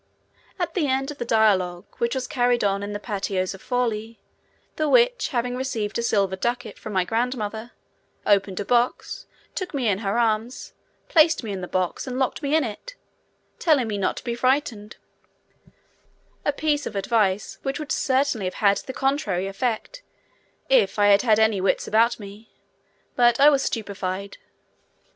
At the end of the dialogue, which was carried on in the patois of Forli, the witch having received a silver ducat from my grandmother, opened a box, took me in her arms, placed me in the box and locked me in it, telling me not to be frightened a piece of advice which would certainly have had the contrary effect, if I had had any wits about me, but I was stupefied.